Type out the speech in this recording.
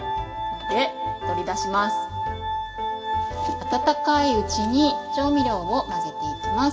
温かいうちに調味料を混ぜていきます。